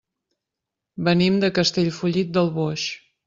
Venim de Castellfollit del Boix.